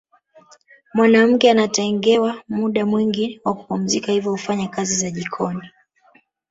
Mwanamke anatengewa muda mwingi wa kupumzika hivyo hufanya kazi za jikoni